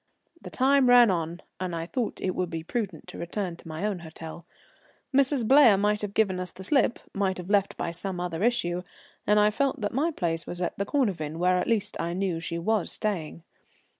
The time ran on, and I thought it would be prudent to return to my own hotel. Mrs. Blair might have given us the slip, might have left by some other issue, and I felt that my place was at the Cornavin, where at least I knew she was staying.